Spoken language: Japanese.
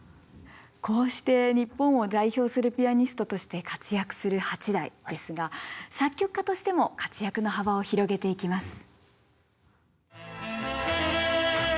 こうして日本を代表するピアニストとして活躍する八大ですが作曲家としても活躍の幅を広げていきます。